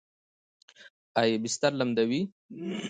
ایا بستر لمدوي؟